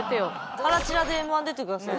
腹チラでＭ−１出てくださいよ。